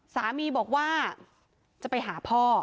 สามีบอกว่าจะไปหาพ่อ